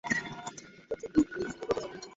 এতে পূর্বে থেকেই ছিদ্র করা থাকে।